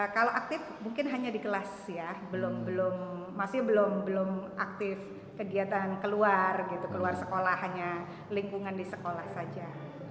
kalau aktif mungkin hanya di kelas ya belum masih belum aktif kegiatan keluar gitu keluar sekolah hanya lingkungan di sekolah saja